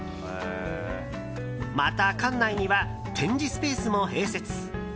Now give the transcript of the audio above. また、館内には展示スペースも併設。